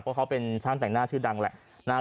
เพราะเขาเป็นช่างแต่งหน้าชื่อดังแหละนะครับ